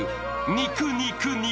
肉、肉、肉！